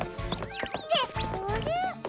ってあれ？